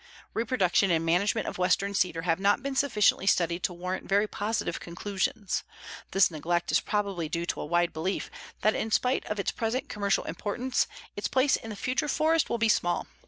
Reproduction and management of western cedar have not been sufficiently studied to warrant very positive conclusions. This neglect is probably due to a wide belief that in spite of its present commercial importance, its place in the future forest will be small.